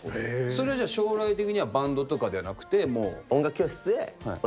それじゃあ将来的にはバンドとかではなくてもう。